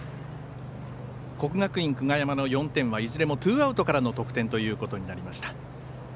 国学院久我山の４点はいずれもツーアウトからの得点ということになりました。